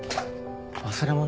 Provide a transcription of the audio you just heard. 忘れ物？